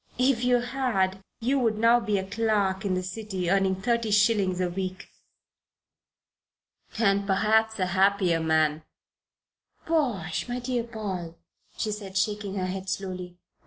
"If you had, you would now be a clerk in the City earning thirty shillings a week." "And perhaps a happier man." "Bosh, my dear Paul!" she said, shaking her head slowly.